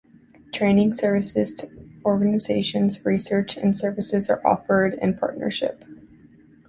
Training, services to organizations, research, and services are offered in partnership.